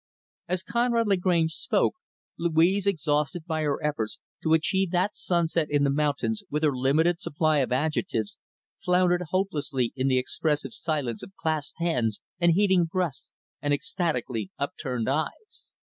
As Conrad Lagrange spoke, Louise, exhausted by her efforts to achieve that sunset in the mountains with her limited supply of adjectives, floundered hopelessly into the expressive silence of clasped hands and heaving breast and ecstatically upturned eyes.